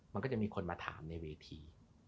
มันก็จะมีคนมาถามในเวที